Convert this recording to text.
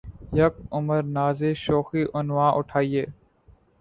یک عمر نازِ شوخیِ عنواں اٹھایئے